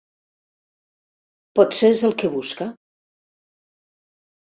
Potser és el que busca.